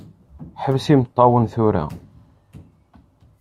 Ḥbes imeṭṭawen tura.